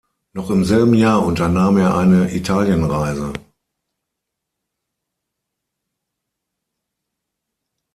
Noch im selben Jahr unternahm er eine Italienreise.